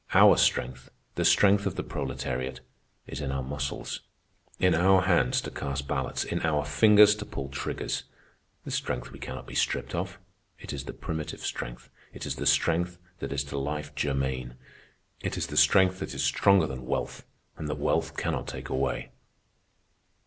Our strength, the strength of the proletariat, is in our muscles, in our hands to cast ballots, in our fingers to pull triggers. This strength we cannot be stripped of. It is the primitive strength, it is the strength that is to life germane, it is the strength that is stronger than wealth, and that wealth cannot take away.